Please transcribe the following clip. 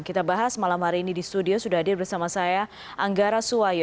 kita bahas malam hari ini di studio sudah hadir bersama saya anggara suwayo